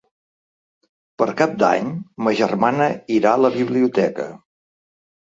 Per Cap d'Any ma germana irà a la biblioteca.